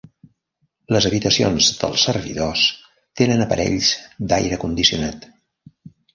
Les habitacions dels servidors tenen aparells d'aire condicionat.